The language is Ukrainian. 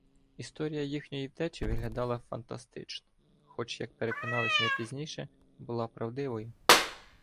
Історія їхньої втечі виглядала фантастично, хоч, як переконалися ми пізніше, була правдивою.